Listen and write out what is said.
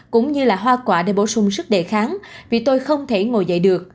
cũng như là hoa quả để bổ sung sức đề kháng vì tôi không thể ngồi dậy được